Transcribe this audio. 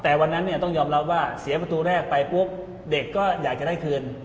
แต่วันนั้นเนี่ยต้องยอมรับว่าเสียประตูแรกไปปุ๊บเด็กก็อยากจะได้คืน